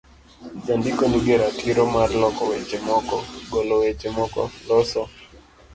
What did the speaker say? Jandiko nigi ratiro mar loko weche moko, golo weche moko, loso